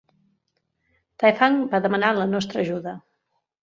Daifang va demanar la nostra ajuda.